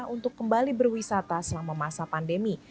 untuk kembali berwisata selama masa pandemi